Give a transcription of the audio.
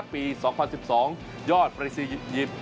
ปีสองพันสิบสองโยยายอดปร